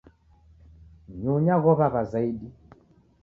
Mnyunya ghow'aw'a zaidi.